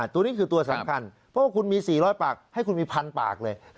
ตัวนี้คือตัวสำคัญเพราะว่าคุณมี๔๐๐ปากให้คุณมีพันปากเลย